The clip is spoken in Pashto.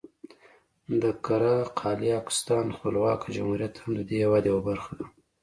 د قره قالیاقستان خپلواکه جمهوریت هم د دې هېواد یوه برخه ده.